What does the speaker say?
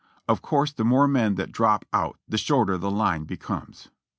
Of course the more men that drop out the shorter the line becomes.